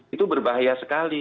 itu berbahaya sekali